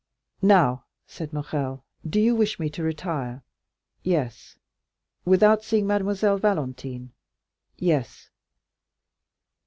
"Now," said Morrel, "do you wish me to retire?" "Yes." "Without seeing Mademoiselle Valentine?" "Yes."